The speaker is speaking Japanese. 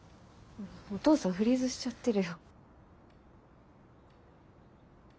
お父さんフリーズしちゃってるよ。